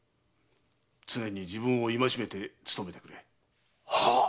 常に自分を戒めて務めてくれ。ははっ。